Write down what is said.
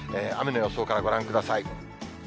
雨の予想からご覧ください。